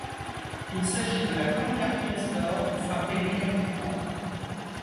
Il s'agit de la première pièce d'or frappée mécaniquement.